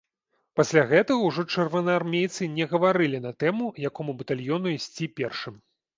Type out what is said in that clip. Пасля гэтага ўжо чырвонаармейцы не гаварылі на тэму, якому батальёну ісці першым.